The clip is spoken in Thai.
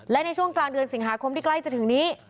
และในช่วงกลางเดือนสิงหาคมที่ใกล้จะถึงนี้